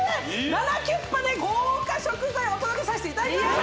ナナキュッパで豪華食材をお届けさせていただきます！